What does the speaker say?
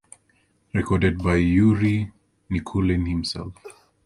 Recorded by Yuri Nikulin himself.